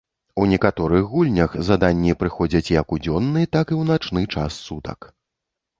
У некаторых гульнях заданні праходзяць як у дзённы, так і ў начны час сутак.